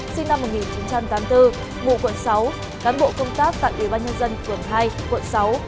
sinh năm một nghìn chín trăm tám mươi bốn ngụ quận sáu cán bộ công tác tạng địa bàn nhân dân phường hai quận sáu